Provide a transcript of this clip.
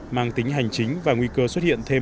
mang tính hành chính và nguy cơ xuất hiện thêm